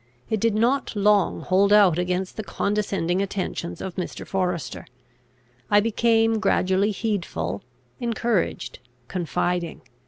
It did not long hold out against the condescending attentions of Mr. Forester. I became gradually heedful, encouraged, confiding.